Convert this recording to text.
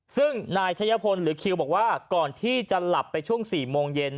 ซึ่งนายชัยพลหรือคิวบอกว่าก่อนที่จะหลับไปช่วง๔โมงเย็น